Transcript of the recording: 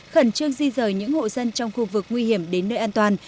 khẩn trương di rời những hộ dân trong khu vực nguy hiểm đến nơi an toàn